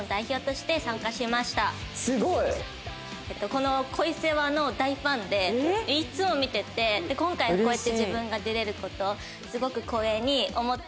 この『恋セワ』の大ファンでいつも見てて今回こうやって自分が出れる事すごく光栄に思ってます。